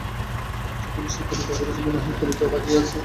যখনই যেই কবিতা পড়েছেন মনে হয়েছে, কবিতা তাকিয়ে আছে আমাদের দিকে।